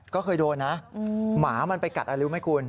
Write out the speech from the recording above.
ก็เคยโดนนะหมามันไปกัดอะไรรู้ไหมคุณ